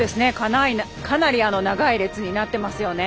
かなり長い列になっていますよね。